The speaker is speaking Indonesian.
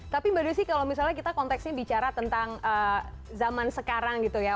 tapi mbak desi kalau misalnya kita konteksnya bicara tentang zaman sekarang gitu ya